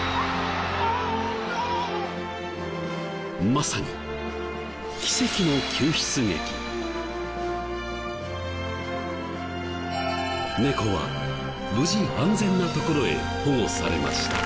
まさに猫は無事安全な所へ保護されました。